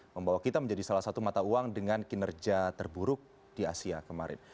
membawa kita menjadi salah satu mata uang dengan kinerja terburuk di asia kemarin